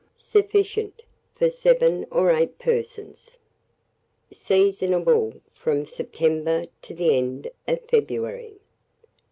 Sufficient for 7 or 8 persons. Seasonable from September to the end of February.